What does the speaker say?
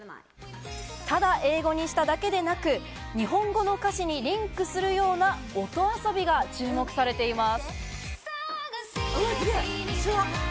ただ英語にしただけでなく、日本語の歌詞にリンクするような音遊びが注目されています。